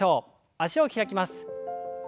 脚を開きます。